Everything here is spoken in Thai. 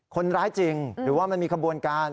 คนร้ายจริงหรือว่ามันมีขบวนการ